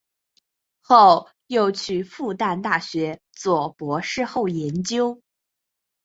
后又去复旦大学做博士后研究。